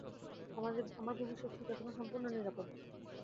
আমার ভবিষ্যৎ সুখ এখন সম্পূর্ণ নিরাপদ।